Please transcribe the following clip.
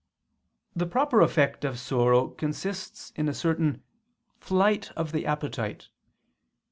_ The proper effect of sorrow consists in a certain _flight of the appetite.